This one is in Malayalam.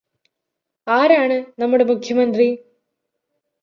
ആരാണ് നമ്മുടെ മുഖ്യമന്ത്രി?